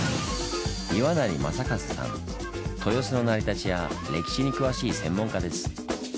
豊洲の成り立ちや歴史に詳しい専門家です。